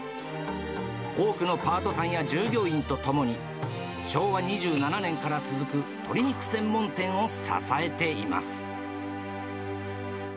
多くのパートさんや従業員と共に、昭和２７年から続く鶏肉専門店を支えています。